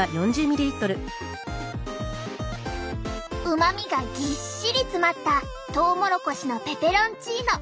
うまみがぎっしり詰まったトウモロコシのペペロンチーノ。